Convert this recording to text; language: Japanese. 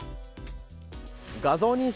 画像認識